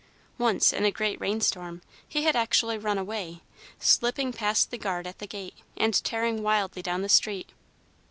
Once, in a great rain storm, he had actually run away, slipping past the guard at the gate, and tearing wildly down the street.